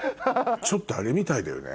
ちょっとあれみたいだよね。